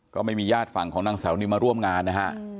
ก็ไม่มีญาติฝั่งของนางสาวนิวมาร่วมงานนะฮะ